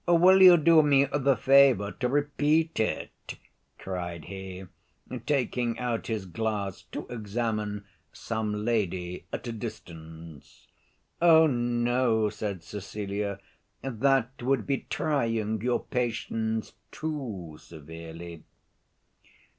"Will you do me the favor to repeat it?" cried he, taking out his glass to examine some lady at a distance. "Oh no," said Cecilia, "that would be trying your patience too severely."